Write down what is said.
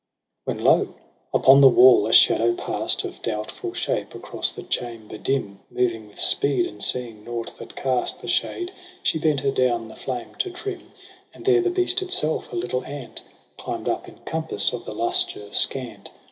When lo ! upon the wall, a shadow past Of doubtful shape, across the chamber dim Moving with speed : and seeing nought Jthat cast The shade, she bent her down the flame to trim j And there the beast itself, a Uttle ant, Climb'd up in compass of the lustre scant.